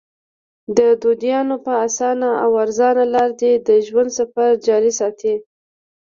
د دوايانو پۀ اسانه او ارزانه لار دې د ژوند سفر جاري ساتي -